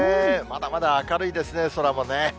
まだまだ明るいですね、空もね。